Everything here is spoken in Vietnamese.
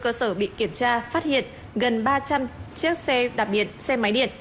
cơ sở bị kiểm tra phát hiện gần ba trăm linh chiếc xe đạp điện xe máy điện